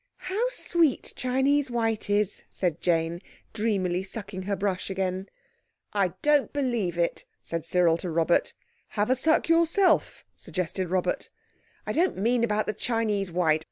"How sweet Chinese white is!" said Jane, dreamily sucking her brush again. "I don't believe it," said Cyril to Robert. "Have a suck yourself," suggested Robert. "I don't mean about the Chinese white.